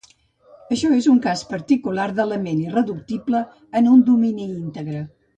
Això és un cas particular d'element irreductible en un domini íntegre.